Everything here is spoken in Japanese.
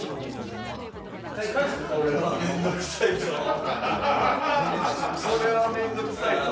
これは面倒くさいぞ。